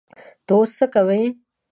ته اوس څه کوې؟